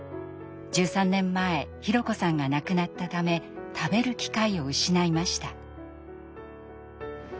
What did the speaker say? １３年前博子さんが亡くなったため食べる機会を失いました。